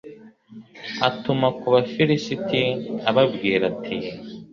atuma ku bafilisiti, ababwira ati